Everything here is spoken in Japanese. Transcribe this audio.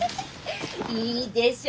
いいでしょ。